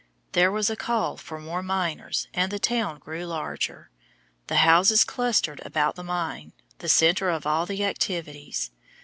There was a call for more miners and the town grew larger. The houses clustered about the mine, the centre of all the activities.